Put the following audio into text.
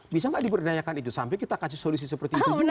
bisa nggak diberdayakan itu sampai kita kasih solusi seperti itu juga